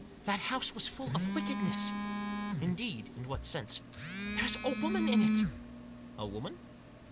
" That house was full of wickedness !"" Indeed. In what sense ?"" There's a woman in it !"" A woman